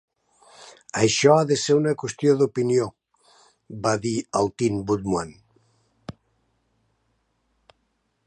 "Això ha de ser una qüestió d'opinió" va dir el Tin Woodman.